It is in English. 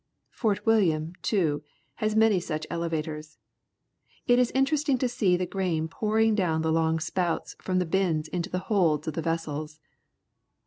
Fort William, too, has many such elevators. It is interesting to see the grain pouring down the long spouts from the bins into the holds of the vessels.